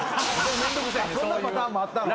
そんなパターンもあったんだ。